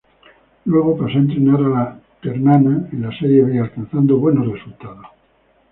Luego pasó a entrenar a la Ternana en la Serie B, alcanzando buenos resultados.